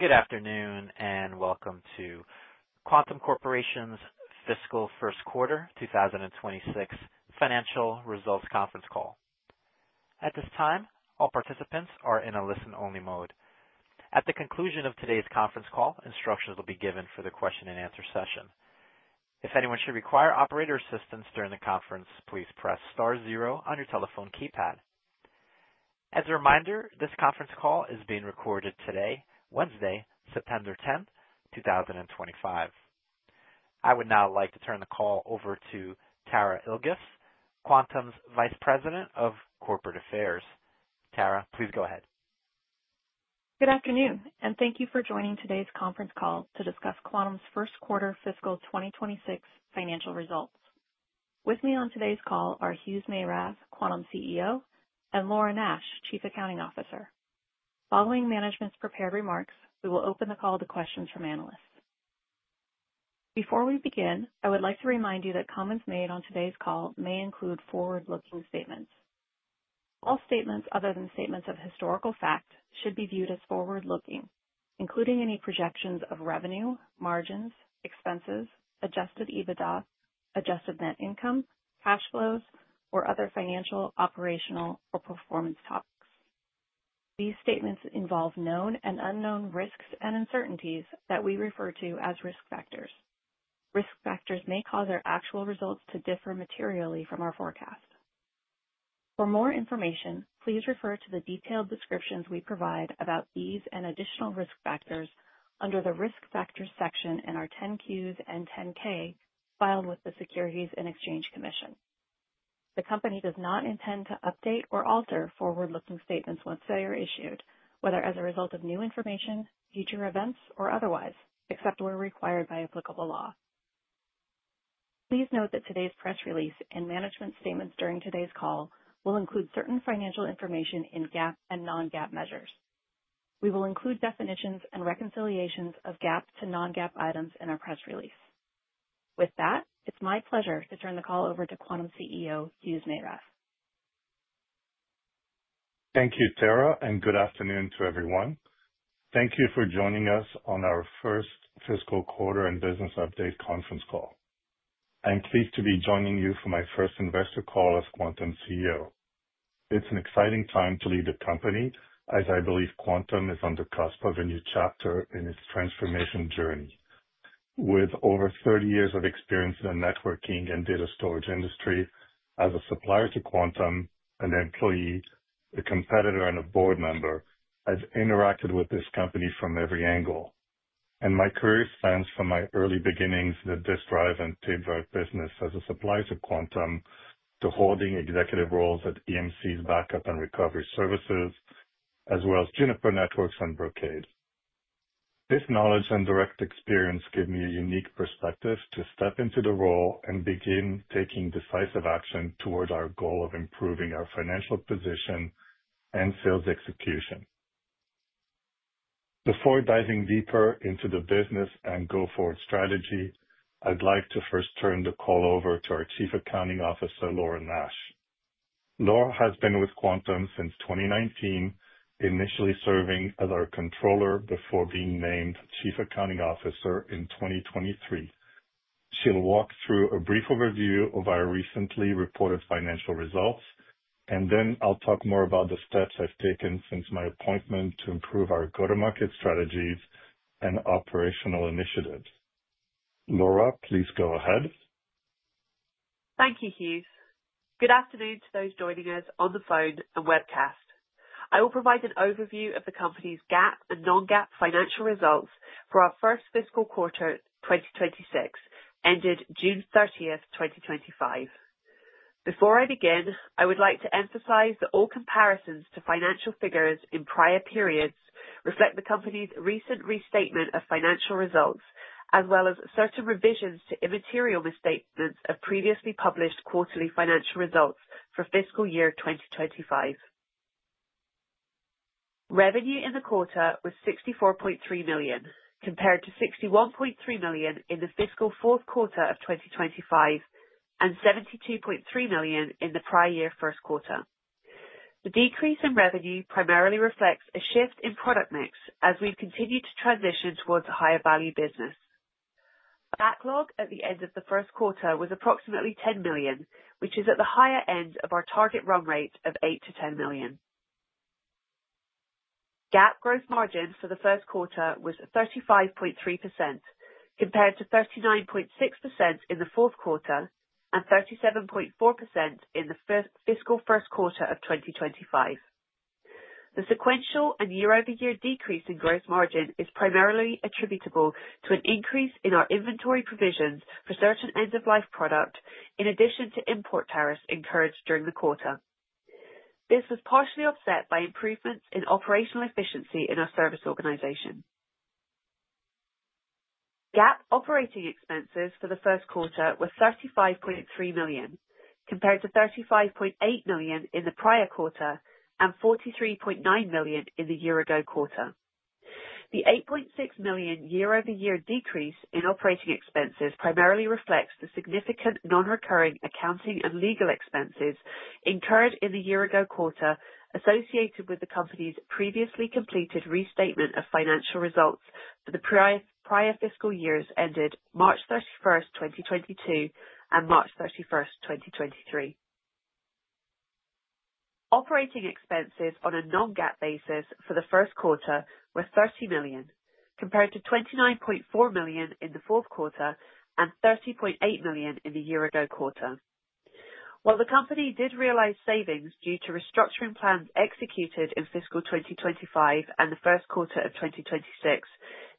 Good afternoon and welcome to Quantum Corporation's Fiscal First Quarter 2026 Financial Results Conference Call. At this time, all participants are in a listen-only mode. At the conclusion of today's conference call, instructions will be given for the question-and-answer session. If anyone should require operator assistance during the conference, please press star zero on your telephone keypad. As a reminder, this conference call is being recorded today, Wednesday, September 10th, 2025. I would now like to turn the call over to Tara Ilges, Quantum's Vice President of Corporate Affairs. Tara, please go ahead. Good afternoon, and thank you for joining today's conference call to discuss Quantum's First Quarter Fiscal 2026 financial results. With me on today's call are Hugues Meyrath, Quantum's CEO, and Laura Nash, Chief Accounting Officer. Following management's prepared remarks, we will open the call to questions from analysts. Before we begin, I would like to remind you that comments made on today's call may include forward-looking statements. All statements other than statements of historical fact should be viewed as forward-looking, including any projections of revenue, margins, expenses, Adjusted EBITDA, Adjusted Net Income, cash flows, or other financial, operational, or performance topics. These statements involve known and unknown risks and uncertainties that we refer to as risk factors. Risk factors may cause our actual results to differ materially from our forecast. For more information, please refer to the detailed descriptions we provide about these and additional risk factors under the risk factors section in our 10-Qs and 10-K filed with the Securities and Exchange Commission. The company does not intend to update or alter forward-looking statements once they are issued, whether as a result of new information, future events, or otherwise, except where required by applicable law. Please note that today's press release and management statements during today's call will include certain financial information in GAAP and non-GAAP measures. We will include definitions and reconciliations of GAAP to non-GAAP items in our press release. With that, it's my pleasure to turn the call over to Quantum CEO Hugues Meyrath. Thank you, Tara, and good afternoon to everyone. Thank you for joining us on our first fiscal quarter and business update conference call. I'm pleased to be joining you for my first investor call as Quantum CEO. It's an exciting time to lead the company as I believe Quantum is on the cusp of a new chapter in its transformation journey. With over 30 years of experience in the networking and data storage industry, as a supplier to Quantum, an employee, a competitor, and a board member, I've interacted with this company from every angle, and my career spans from my early beginnings in the disk drive and tape drive business as a supplier to Quantum to holding executive roles at EMC's backup and recovery services, as well as Juniper Networks and Brocade. This knowledge and direct experience gave me a unique perspective to step into the role and begin taking decisive action toward our goal of improving our financial position and sales execution. Before diving deeper into the business and go-forward strategy, I'd like to first turn the call over to our Chief Accounting Officer, Laura Nash. Laura has been with Quantum since 2019, initially serving as our controller before being named Chief Accounting Officer in 2023. She'll walk through a brief overview of our recently reported financial results, and then I'll talk more about the steps I've taken since my appointment to improve our go-to-market strategies and operational initiatives. Laura, please go ahead. Thank you, Hugues. Good afternoon to those joining us on the phone and webcast. I will provide an overview of the company's GAAP and non-GAAP financial results for our First Fiscal Quarter 2026, ended June 30th, 2025. Before I begin, I would like to emphasize that all comparisons to financial figures in prior periods reflect the company's recent restatement of financial results, as well as certain revisions to immaterial misstatements of previously published quarterly financial results for Fiscal Year 2025. Revenue in the quarter was $64.3 million, compared to $61.3 million in the Fiscal Fourth Quarter of 2025 and $72.3 million in the prior year First Quarter. The decrease in revenue primarily reflects a shift in product mix as we've continued to transition towards a higher-value business. Backlog at the end of the First Quarter was approximately $10 million, which is at the higher end of our target run rate of $8 million-$10 million. GAAP gross margin for the First Quarter was 35.3%, compared to 39.6% in the Fourth Quarter and 37.4% in the Fiscal First Quarter of 2025. The sequential and year-over-year decrease in gross margin is primarily attributable to an increase in our inventory provisions for certain end-of-life product, in addition to import tariffs incurred during the quarter. This was partially offset by improvements in operational efficiency in our service organization. GAAP operating expenses for the First Quarter were $35.3 million, compared to $35.8 million in the prior quarter and $43.9 million in the year-ago quarter. The $8.6 million year-over-year decrease in operating expenses primarily reflects the significant non-recurring accounting and legal expenses incurred in the year-ago quarter associated with the company's previously completed restatement of financial results for the prior fiscal years ended March 31st, 2022, and March 31st, 2023. Operating expenses on a non-GAAP basis for the First Quarter were $30 million, compared to $29.4 million in the Fourth Quarter and $30.8 million in the year-ago quarter. While the company did realize savings due to restructuring plans executed in Fiscal 2025 and the First Quarter of 2026,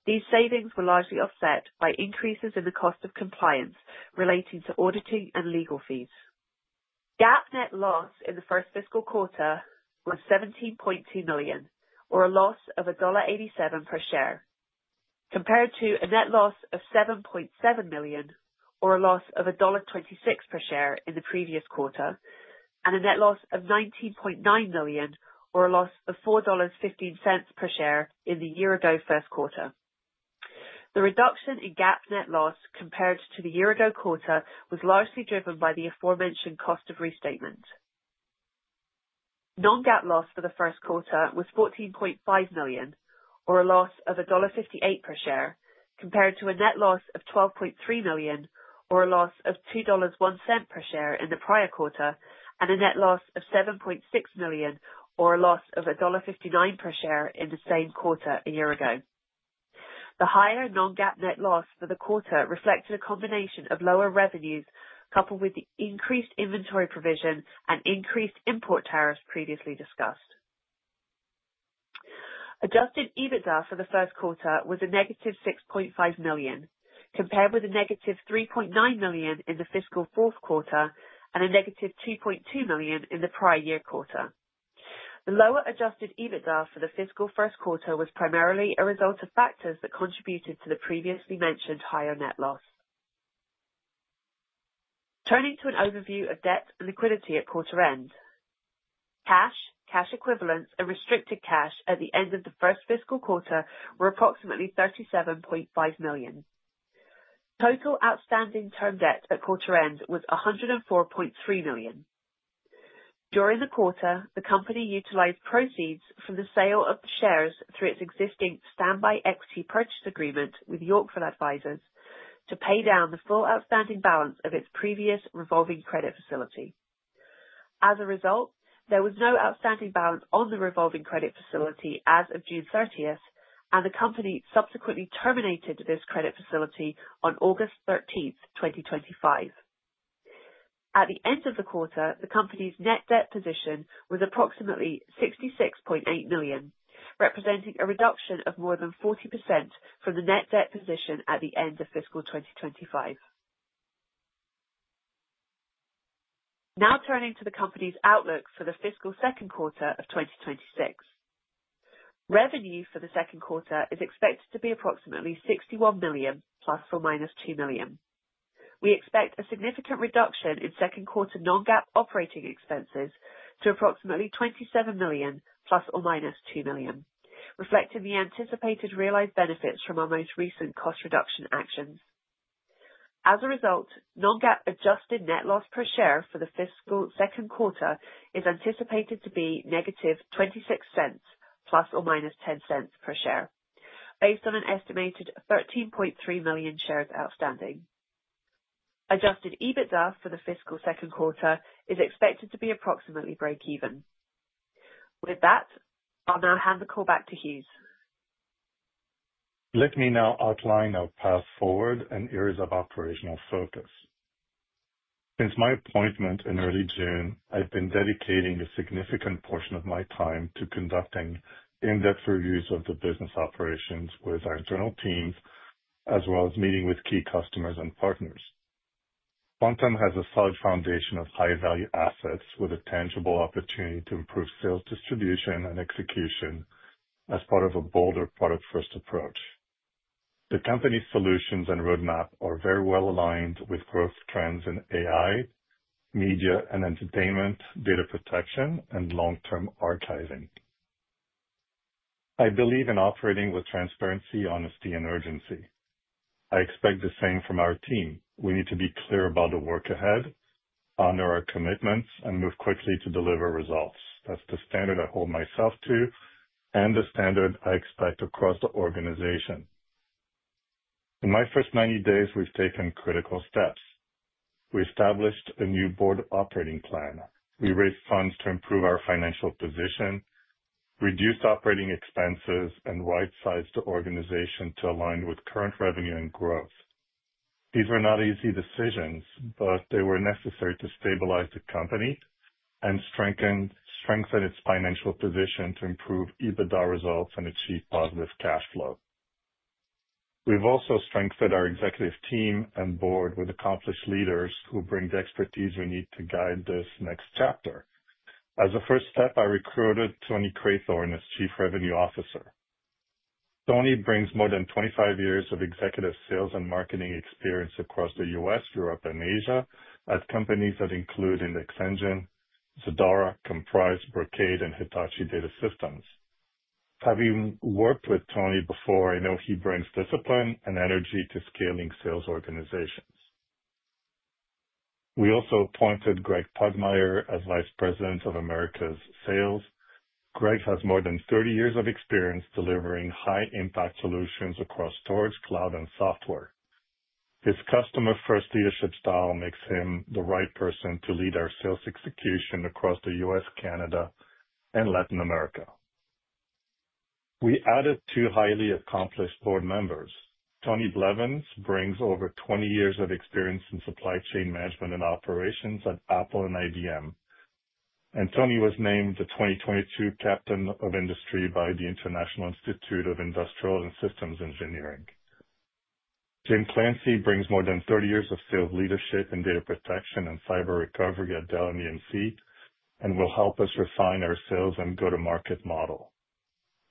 these savings were largely offset by increases in the cost of compliance relating to auditing and legal fees. GAAP net loss in the first fiscal quarter was $17.2 million, or a loss of $1.87 per share, compared to a net loss of $7.7 million, or a loss of $1.26 per share in the previous quarter, and a net loss of $19.9 million, or a loss of $4.15 per share in the year-ago first quarter. The reduction in GAAP net loss compared to the year-ago quarter was largely driven by the aforementioned cost of restatement. Non-GAAP loss for the first quarter was $14.5 million, or a loss of $1.58 per share, compared to a net loss of $12.3 million, or a loss of $2.01 per share in the prior quarter, and a net loss of $7.6 million, or a loss of $1.59 per share in the same quarter a year ago. The higher non-GAAP net loss for the quarter reflected a combination of lower revenues coupled with the increased inventory provision and increased import tariffs previously discussed. Adjusted EBITDA for the First Quarter was a -$6.5 million, compared with a -$3.9 million in the Fiscal Fourth Quarter and a -$2.2 million in the prior year quarter. The lower adjusted EBITDA for the Fiscal First Quarter was primarily a result of factors that contributed to the previously mentioned higher net loss. Turning to an overview of debt and liquidity at quarter end, cash, cash equivalents, and restricted cash at the end of the First Fiscal Quarter were approximately $37.5 million. Total outstanding term debt at quarter end was $104.3 million. During the quarter, the company utilized proceeds from the sale of shares through its existing standby equity purchase agreement with Yorkville Advisors to pay down the full outstanding balance of its previous revolving credit facility. As a result, there was no outstanding balance on the revolving credit facility as of June 30th, and the company subsequently terminated this credit facility on August 13th, 2025. At the end of the quarter, the company's net debt position was approximately $66.8 million, representing a reduction of more than 40% from the net debt position at the end of Fiscal 2025. Now turning to the company's outlook for the Fiscal Second Quarter of 2026. Revenue for the Second Quarter is expected to be approximately $61 million, ±$2 million. We expect a significant reduction in Second Quarter non-GAAP operating expenses to approximately $27 million, ±$2 million, reflecting the anticipated realized benefits from our most recent cost reduction actions. As a result, non-GAAP adjusted net loss per share for the Fiscal Second Quarter is anticipated to be -$0.26, ±$0.10 per share, based on an estimated 13.3 million shares outstanding. Adjusted EBITDA for the Fiscal Second Quarter is expected to be approximately break-even. With that, I'll now hand the call back to Hugues. Let me now outline our path forward and areas of operational focus. Since my appointment in early June, I've been dedicating a significant portion of my time to conducting in-depth reviews of the business operations with our internal teams, as well as meeting with key customers and partners. Quantum has a solid foundation of high-value assets with a tangible opportunity to improve sales distribution and execution as part of a bolder product-first approach. The company's solutions and roadmap are very well aligned with growth trends in AI, media and entertainment, data protection, and long-term archiving. I believe in operating with transparency, honesty, and urgency. I expect the same from our team. We need to be clear about the work ahead, honor our commitments, and move quickly to deliver results. That's the standard I hold myself to and the standard I expect across the organization. In my first 90 days, we've taken critical steps. We established a new board operating plan. We raised funds to improve our financial position, reduced operating expenses, and right-sized the organization to align with current revenue and growth. These were not easy decisions, but they were necessary to stabilize the company and strengthen its financial position to improve EBITDA results and achieve positive cash flow. We've also strengthened our executive team and board with accomplished leaders who bring the expertise we need to guide this next chapter. As a first step, I recruited Tony Craythorne as Chief Revenue Officer. Tony brings more than 25 years of executive sales and marketing experience across the U.S., Europe, and Asia at companies that include Index Engines, Zadara, Komprise, Brocade, and Hitachi Data Systems. Having worked with Tony before, I know he brings discipline and energy to scaling sales organizations. We also appointed Gregg Pugmire as Vice President of Americas Sales. Gregg has more than 30 years of experience delivering high-impact solutions across storage, cloud, and software. His customer-first leadership style makes him the right person to lead our sales execution across the U.S., Canada, and Latin America. We added two highly accomplished board members. Tony Blevins brings over 20 years of experience in supply chain management and operations at Apple and IBM. And Tony was named the 2022 Captain of Industry by the International Institute of Industrial and Systems Engineering. Jim Clancy brings more than 30 years of sales leadership in data protection and cyber recovery at Dell and EMC and will help us refine our sales and go-to-market model.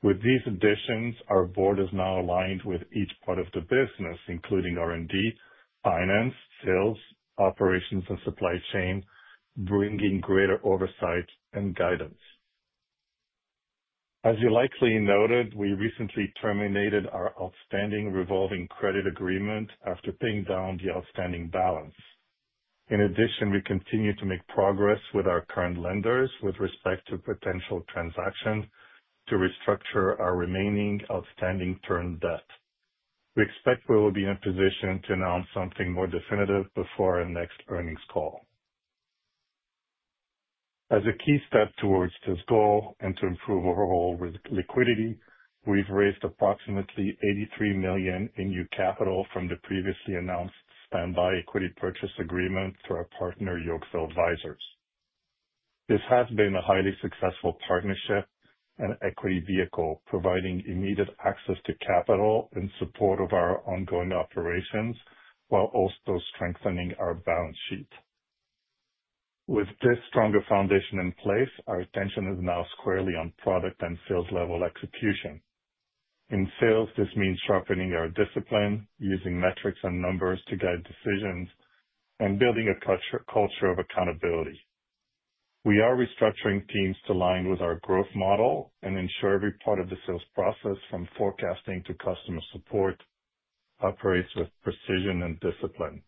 With these additions, our board is now aligned with each part of the business, including R&D, finance, sales, operations, and supply chain, bringing greater oversight and guidance. As you likely noted, we recently terminated our outstanding revolving credit agreement after paying down the outstanding balance. In addition, we continue to make progress with our current lenders with respect to potential transactions to restructure our remaining outstanding term debt. We expect we will be in a position to announce something more definitive before our next earnings call. As a key step towards this goal and to improve overall liquidity, we've raised approximately $83 million in new capital from the previously announced standby equity purchase agreement through our partner, Yorkville Advisors. This has been a highly successful partnership and equity vehicle, providing immediate access to capital in support of our ongoing operations while also strengthening our balance sheet. With this stronger foundation in place, our attention is now squarely on product and sales-level execution. In sales, this means sharpening our discipline, using metrics and numbers to guide decisions, and building a culture of accountability. We are restructuring teams to align with our growth model and ensure every part of the sales process, from forecasting to customer support, operates with precision and discipline.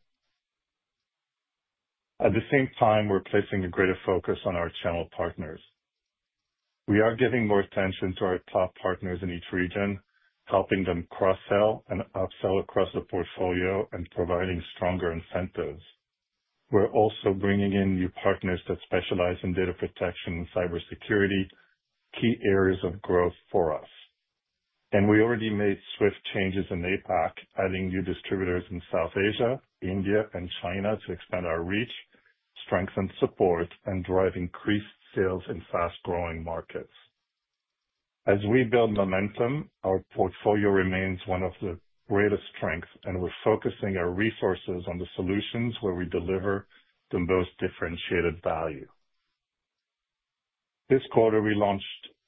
At the same time, we're placing a greater focus on our channel partners. We are giving more attention to our top partners in each region, helping them cross-sell and upsell across the portfolio and providing stronger incentives. We're also bringing in new partners that specialize in data protection and cybersecurity, key areas of growth for us. And we already made swift changes in APAC, adding new distributors in South Asia, India, and China to expand our reach, strengthen support, and drive increased sales in fast-growing markets. As we build momentum, our portfolio remains one of the greatest strengths, and we're focusing our resources on the solutions where we deliver the most differentiated value. This quarter, we launched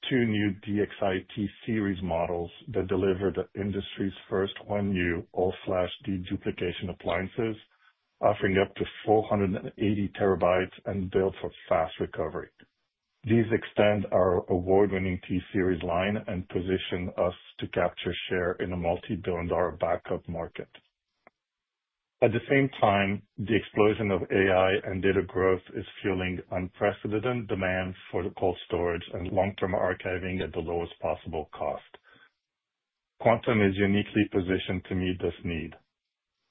two new DXi T-Series models that deliver the industry's first 1U all-flash deduplication appliances, offering up to 480 terabytes and built for fast recovery. These extend our award-winning T-Series line and position us to capture share in a multi-billion-dollar backup market. At the same time, the explosion of AI and data growth is fueling unprecedented demand for cold storage and long-term archiving at the lowest possible cost. Quantum is uniquely positioned to meet this need.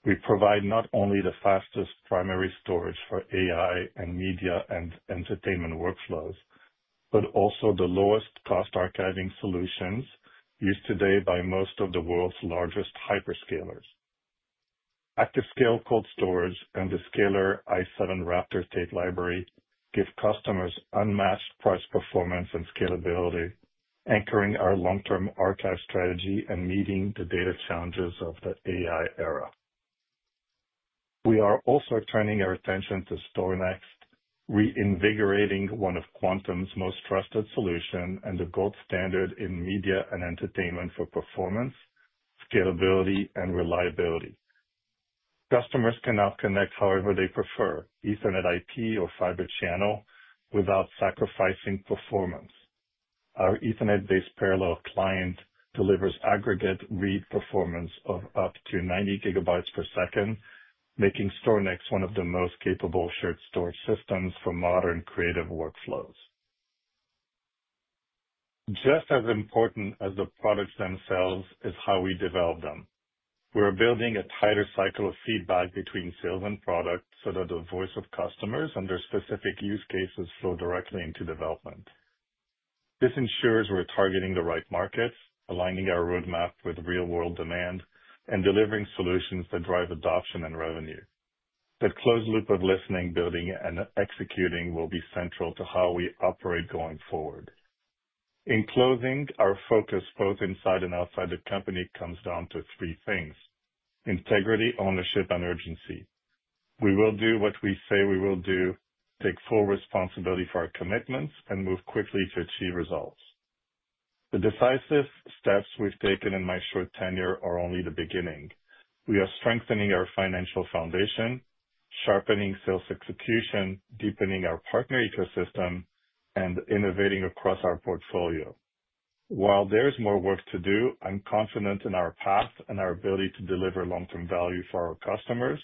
We provide not only the fastest primary storage for AI and media and entertainment workflows, but also the lowest-cost archiving solutions used today by most of the world's largest hyperscalers. ActiveScale Cold Storage and the Scalar i7 Raptor tape library give customers unmatched price performance and scalability, anchoring our long-term archive strategy and meeting the data challenges of the AI era. We are also turning our attention to StorNext, reinvigorating one of Quantum's most trusted solutions and the gold standard in media and entertainment for performance, scalability, and reliability. Customers can now connect however they prefer, Ethernet IP or Fibre Channel, without sacrificing performance. Our Ethernet-based parallel client delivers aggregate read performance of up to 90 gigabytes per second, making StorNext one of the most capable shared storage systems for modern creative workflows. Just as important as the products themselves is how we develop them. We're building a tighter cycle of feedback between sales and product so that the voice of customers and their specific use cases flow directly into development. This ensures we're targeting the right markets, aligning our roadmap with real-world demand, and delivering solutions that drive adoption and revenue. That closed loop of listening, building, and executing will be central to how we operate going forward. In closing, our focus both inside and outside the company comes down to three things: integrity, ownership, and urgency. We will do what we say we will do, take full responsibility for our commitments, and move quickly to achieve results. The decisive steps we've taken in my short tenure are only the beginning. We are strengthening our financial foundation, sharpening sales execution, deepening our partner ecosystem, and innovating across our portfolio. While there is more work to do, I'm confident in our path and our ability to deliver long-term value for our customers,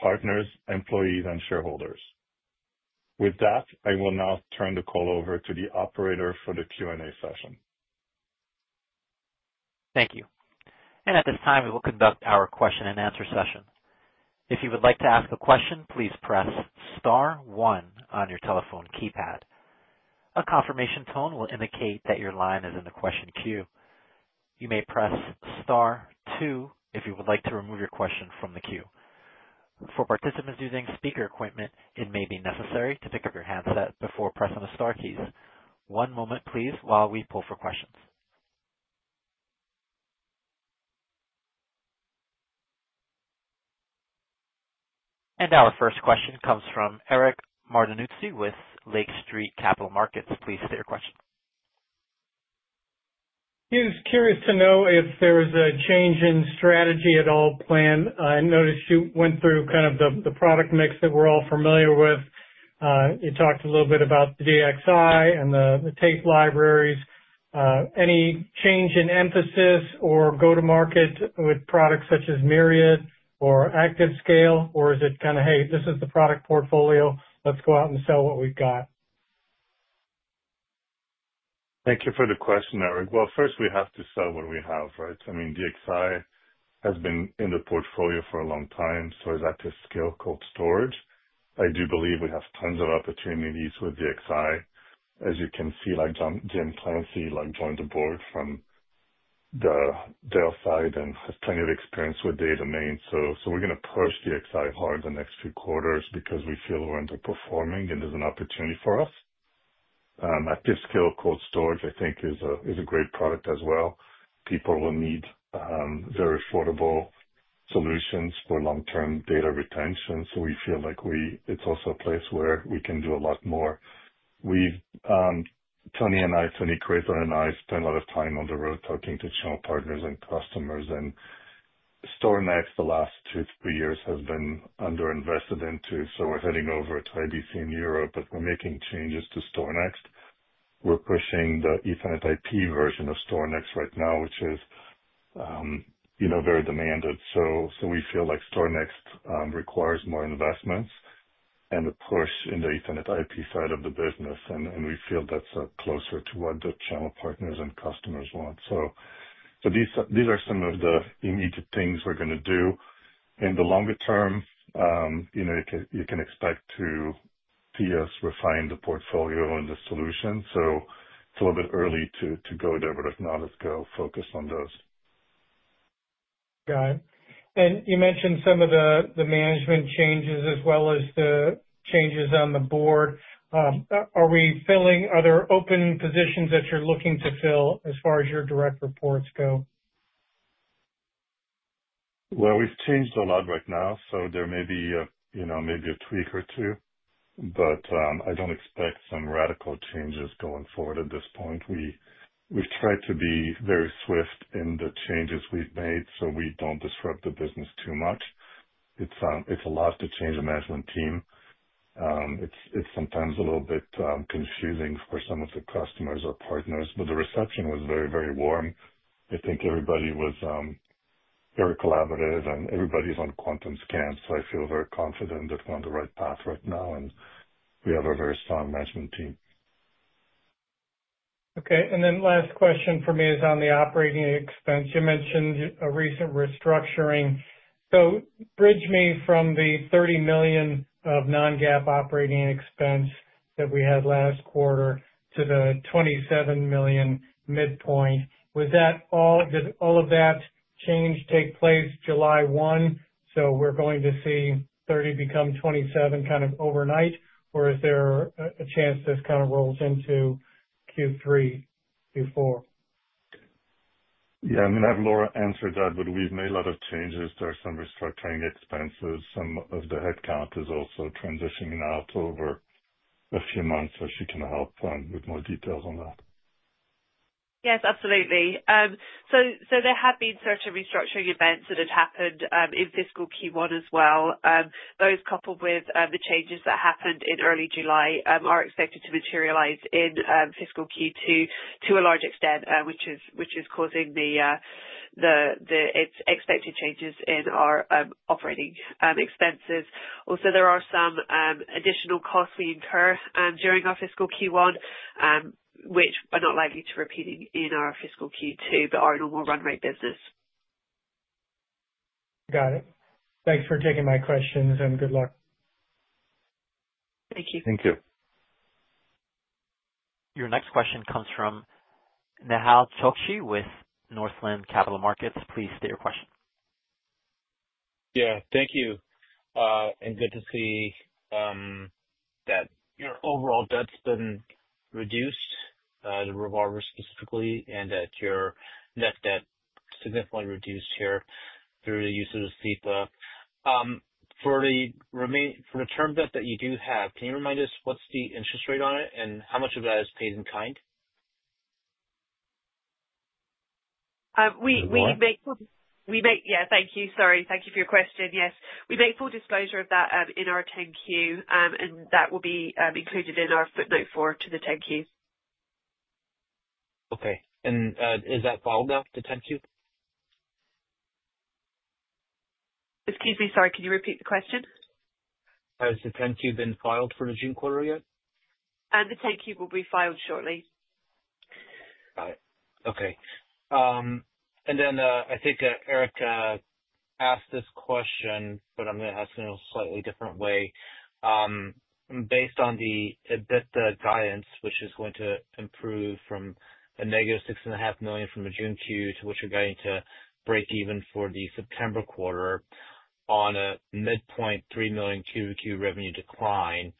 partners, employees, and shareholders. With that, I will now turn the call over to the operator for the Q&A session. Thank you. At this time, we will conduct our question-and-answer session. If you would like to ask a question, please press star one on your telephone keypad. A confirmation tone will indicate that your line is in the question queue. You may press star two if you would like to remove your question from the queue. For participants using speaker equipment, it may be necessary to pick up your handset before pressing the star keys. One moment, please, while we pull for questions. Our first question comes from Eric Martinuzzi with Lake Street Capital Markets. Please state your question. He was curious to know if there was a change in strategy at all planned. I noticed you went through kind of the product mix that we're all familiar with. You talked a little bit about the DXi and the tape libraries. Any change in emphasis or go-to-market with products such as Myriad or ActiveScale, or is it kind of, "Hey, this is the product portfolio. Let's go out and sell what we've got"? Thank you for the question, Eric. Well, first, we have to sell what we have, right? I mean, DXi has been in the portfolio for a long time, so is ActiveScale Cold Storage? I do believe we have tons of opportunities with DXi. As you can see, like Jim Clancy joined the board from the Dell side and has plenty of experience with Data Domain. So we're going to push DXi hard the next few quarters because we feel we're underperforming and there's an opportunity for us. ActiveScale Cold Storage, I think, is a great product as well. People will need very affordable solutions for long-term data retention. So we feel like it's also a place where we can do a lot more. Tony and I, Tony Craythorne and I spend a lot of time on the road talking to channel partners and customers. And StorNext, the last two, three years, has been underinvested into, so we're heading over to IBC in Europe, but we're making changes to StorNext. We're pushing the Ethernet IP version of StorNext right now, which is very demanded. So we feel like StorNext requires more investments and a push in the Ethernet IP side of the business. And we feel that's closer to what the channel partners and customers want. So these are some of the immediate things we're going to do. In the longer term, you can expect to see us refine the portfolio and the solutions. So it's a little bit early to go there, but if not, let's go focus on those. Got it. And you mentioned some of the management changes as well as the changes on the board. Are we filling other open positions that you're looking to fill as far as your direct reports go? We've changed a lot right now, so there may be a tweak or two, but I don't expect some radical changes going forward at this point. We've tried to be very swift in the changes we've made so we don't disrupt the business too much. It's a lot to change a management team. It's sometimes a little bit confusing for some of the customers or partners, but the reception was very, very warm. I think everybody was very collaborative, and everybody's on Quantum's camp, so I feel very confident that we're on the right path right now, and we have a very strong management team. Okay. And then last question for me is on the operating expense. You mentioned a recent restructuring. So bridge me from the $30 million of Non-GAAP operating expense that we had last quarter to the $27 million midpoint. Did all of that change take place July 1? So we're going to see 30 become 27 kind of overnight, or is there a chance this kind of rolls into Q3, Q4? Yeah. I mean, I've already answered that, but we've made a lot of changes. There are some restructuring expenses. Some of the headcount is also transitioning out over a few months, so she can help with more details on that. Yes, absolutely. So there have been certain restructuring events that have happened in fiscal Q1 as well. Those, coupled with the changes that happened in early July, are expected to materialize in fiscal Q2 to a large extent, which is causing the expected changes in our operating expenses. Also, there are some additional costs we incur during our fiscal Q1, which are not likely to repeat in our fiscal Q2, but are in a more run-rate business. Got it. Thanks for taking my questions, and good luck. Thank you. Thank you. Your next question comes from Nehal Chokshi with Northland Capital Markets. Please state your question. Yeah. Thank you. And good to see that your overall debt's been reduced, the revolvers specifically, and that your net debt significantly reduced here through the use of SEPA. For the term debt that you do have, can you remind us what's the interest rate on it and how much of that is paid in kind? We make full. We make full. Yeah. Thank you. Sorry. Thank you for your question. Yes. We make full disclosure of that in our 10-Q, and that will be included in our footnote for the 10-Q. Okay, and is that filed now, the 10-Q? Excuse me. Sorry. Can you repeat the question? Has the 10-Q been filed for the June quarter yet? The 10-Q will be filed shortly. Got it. Okay. And then I think Eric asked this question, but I'm going to ask it in a slightly different way. Based on the EBITDA guidance, which is going to improve from a -$6.5 million from the June Q to which we're going to break even for the September quarter on a midpoint $3 million QoQ revenue decline,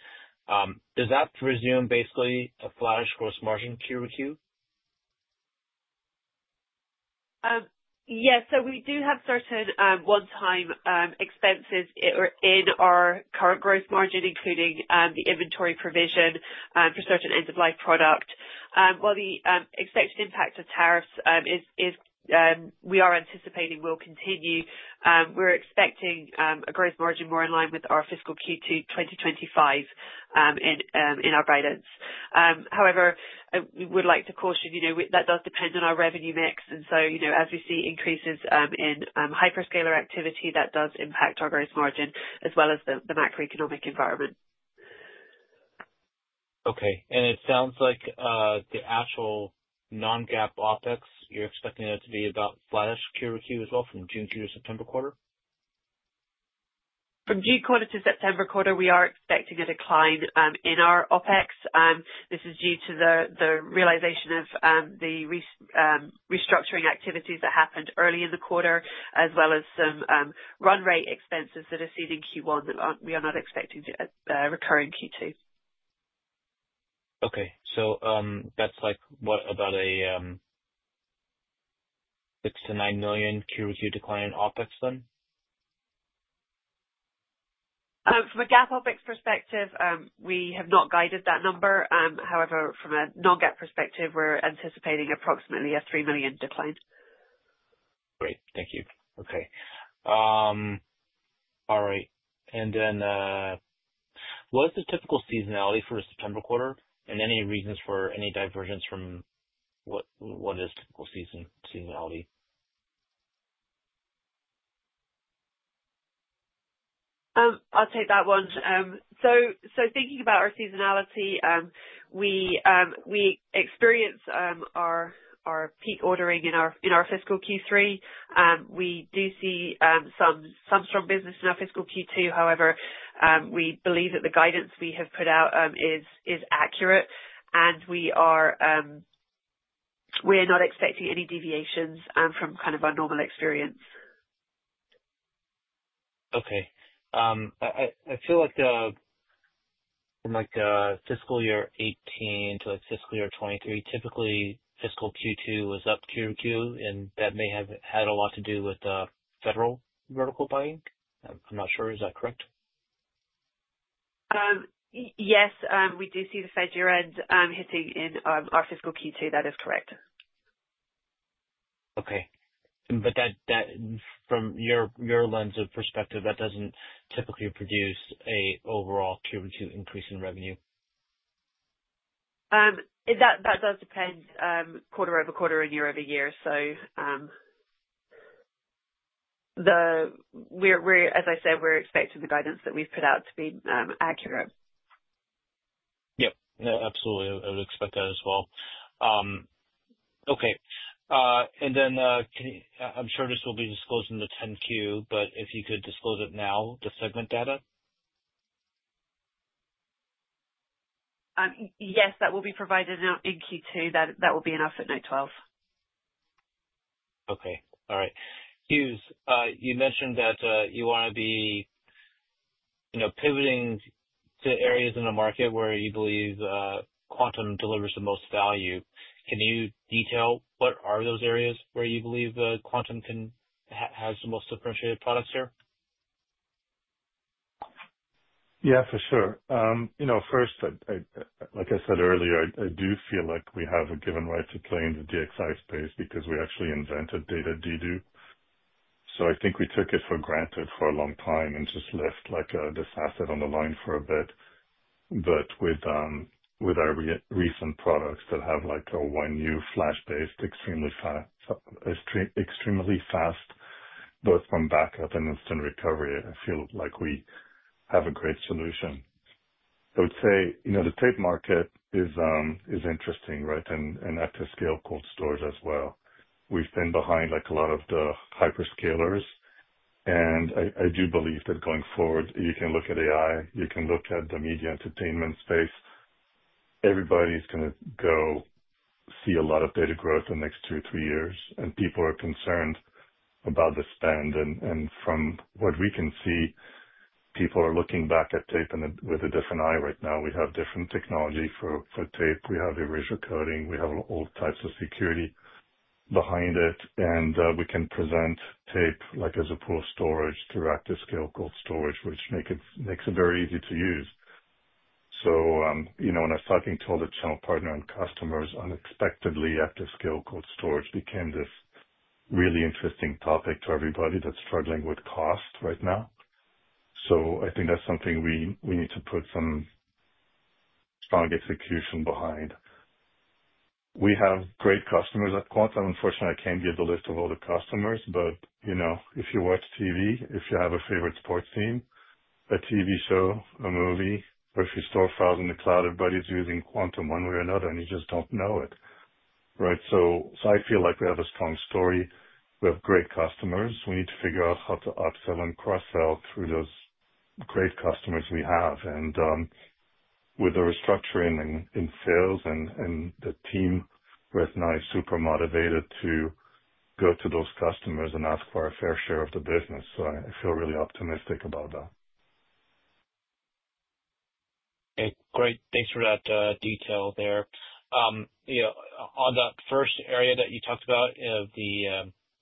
does that presume basically a flatter gross margin QoQ? Yes. So we do have certain one-time expenses in our current gross margin, including the inventory provision for certain end-of-life product. While the expected impact of tariffs we are anticipating will continue, we're expecting a gross margin more in line with our fiscal Q2 2025 in our guidance. However, we would like to caution that does depend on our revenue mix. As we see increases in hyperscaler activity, that does impact our gross margin as well as the macroeconomic environment. Okay. And it sounds like the actual non-GAAP OpEx, you're expecting that to be about flatter QoQ as well from June Q to September quarter? From June quarter to September quarter, we are expecting a decline in our OpEx. This is due to the realization of the restructuring activities that happened early in the quarter, as well as some run-rate expenses that are seen in Q1 that we are not expecting to occur in Q2. Okay. So that's like what about a $6 million-$9 million Q to Q decline in OpEx then? From a GAAP OpEx perspective, we have not guided that number. However, from a non-GAAP perspective, we're anticipating approximately a $3 million decline. Great. Thank you. Okay. All right. And then what is the typical seasonality for a September quarter? And any reasons for any divergence from what is typical seasonality? I'll take that one. So thinking about our seasonality, we experience our peak ordering in our fiscal Q3. We do see some strong business in our fiscal Q2. However, we believe that the guidance we have put out is accurate, and we are not expecting any deviations from kind of our normal experience. Okay. I feel like from fiscal year 2018 to fiscal year 2023, typically fiscal Q2 was up QoQ, and that may have had a lot to do with federal vertical buying. I'm not sure. Is that correct? Yes. We do see the Fed year-end hitting in our fiscal Q2. That is correct. Okay. But from your lens of perspective, that doesn't typically produce an overall Q2 increase in revenue? That does depend quarter over quarter and year over year. So as I said, we're expecting the guidance that we've put out to be accurate. Yep. Absolutely. I would expect that as well. Okay. And then I'm sure this will be disclosed in the 10-Q, but if you could disclose it now, the segment data? Yes. That will be provided out in Q2. That will be in our footnote 12. Okay. All right. Hughes, you mentioned that you want to be pivoting to areas in the market where you believe Quantum delivers the most value. Can you detail what are those areas where you believe Quantum has the most differentiated products here? Yeah, for sure. First, like I said earlier, I do feel like we have a given right to play in the DXi space because we actually invented data dedupe. So I think we took it for granted for a long time and just left this asset on the line for a bit. But with our recent products that have a 1U flash-based, extremely fast, both from backup and instant recovery, I feel like we have a great solution. I would say the tape market is interesting, right, and ActiveScale cold storage as well. We've been behind a lot of the hyperscalers. And I do believe that going forward, you can look at AI, you can look at the media entertainment space. Everybody's going to go see a lot of data growth in the next two, three years. And people are concerned about the spend. From what we can see, people are looking back at tape with a different eye right now. We have different technology for tape. We have erasure coding. We have all types of security behind it. We can present tape as a pool of storage through ActiveScale Cold Storage, which makes it very easy to use. When I was talking to all the channel partners and customers, unexpectedly, ActiveScale Cold Storage became this really interesting topic to everybody that's struggling with cost right now. I think that's something we need to put some strong execution behind. We have great customers at Quantum. Unfortunately, I can't give the list of all the customers, but if you watch TV, if you have a favorite sports team, a TV show, a movie, or if you store files in the cloud, everybody's using Quantum one way or another, and you just don't know it, right? So I feel like we have a strong story. We have great customers. We need to figure out how to upsell and cross-sell through those great customers we have. And with the restructuring in sales and the team, we're now super motivated to go to those customers and ask for a fair share of the business. So I feel really optimistic about that. Okay. Great. Thanks for that detail there. On that first area that you talked about of the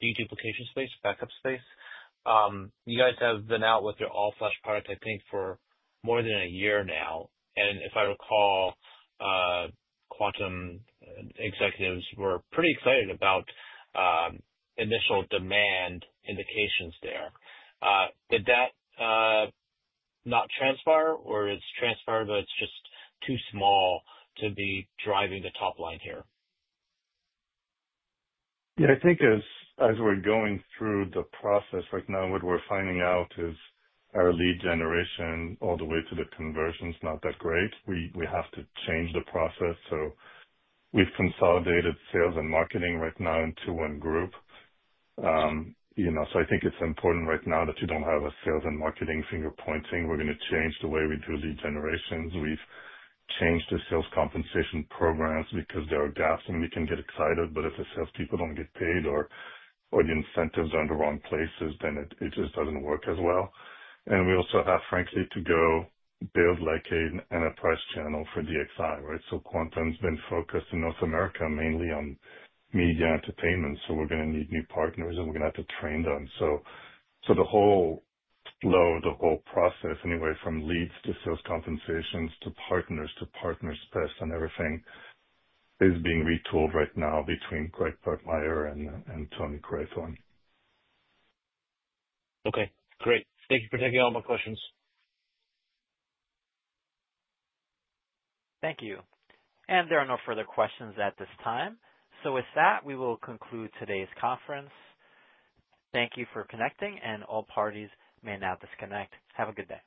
deduplication space, backup space, you guys have been out with your all-flash product, I think, for more than a year now. And if I recall, Quantum executives were pretty excited about initial demand indications there. Did that not transpire, or it's transpired, but it's just too small to be driving the top line here? Yeah. I think as we're going through the process right now, what we're finding out is our lead generation all the way to the conversion is not that great. We have to change the process, so we've consolidated sales and marketing right now into one group, so I think it's important right now that you don't have a sales and marketing finger-pointing. We're going to change the way we do lead generations. We've changed the sales compensation programs because there are gaps, and we can get excited, but if the salespeople don't get paid or the incentives are in the wrong places, then it just doesn't work as well, and we also have, frankly, to go build an enterprise channel for DXi, right? Quantum's been focused in North America mainly on media entertainment, so we're going to need new partners, and we're going to have to train them. The whole flow, the whole process, anyway, from leads to sales compensations to partners to partners' best and everything is being retooled right now between Gregg Pugmire and Tony Craythorne. Okay. Great. Thank you for taking all my questions. Thank you. And there are no further questions at this time. So with that, we will conclude today's conference. Thank you for connecting, and all parties may now disconnect. Have a good day.